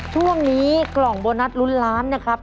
ช่วงนี้กล่องโบนัสลุ้นล้านนะครับ